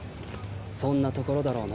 そんなところだろうな。